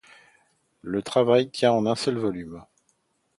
Le travail tient en un seul volume.